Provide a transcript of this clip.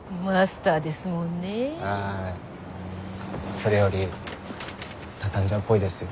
それより畳んじゃうっぽいですよ。